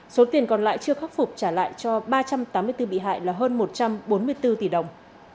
số tiền còn lại chưa khắc phục trả lại cho ba trăm tám mươi bốn bị hại là hơn một trăm bốn mươi bốn tỷ đồng